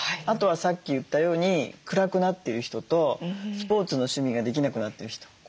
あとはさっき言ったように暗くなってる人とスポーツの趣味ができなくなってる人。